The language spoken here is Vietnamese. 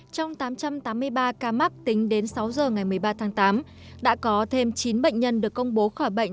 trong tám trăm tám mươi ba ca mắc tính đến sáu giờ ngày một mươi ba tháng tám đã có thêm chín bệnh nhân được công bố khỏi bệnh